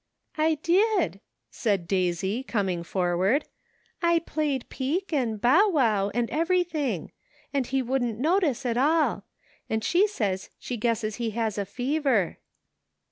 " I did," said Daisy, coming forward ;" I played 'peek' and 'bow wow' and everything, and he wouldn't notice at all ; and she says she guesses he has a fever."